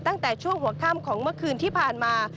ตั้งแต่ช่วงหัวค่ำของเมื่อคืนที่ผ่านมา